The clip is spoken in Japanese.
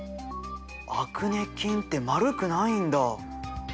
アクネ菌って丸くないんだ。